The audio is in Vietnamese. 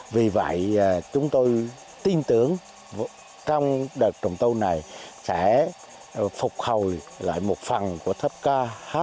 vì vậy chúng tôi tin tưởng trong đợt trùng tu này sẽ phục hồi lại một phần của tháp ca h a